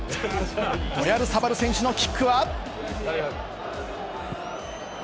オヤルサバル選手のキックは。